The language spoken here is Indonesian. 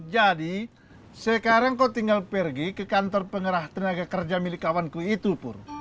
jadi sekarang kau tinggal pergi ke kantor pengerah tenaga kerja milik kawan ku itu pur